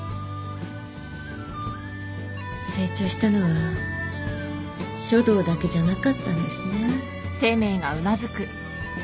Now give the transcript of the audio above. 成長したのは書道だけじゃなかったんですね。